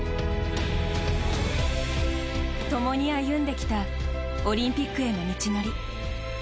共に歩んできたオリンピックへの道のり。